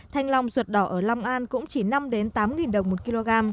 thanh long ruột đỏ ở long an cũng chỉ năm tám đồng một kg